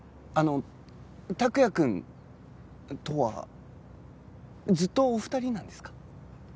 あの託也くんとはずっとお二人なんですか？